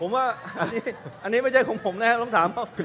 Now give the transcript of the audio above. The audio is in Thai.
ผมว่าอันนี้ไม่ใช่ของผมนะครับต้องถามเขา